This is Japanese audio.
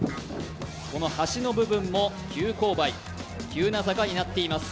この橋の部分も急勾配、急な坂になっています。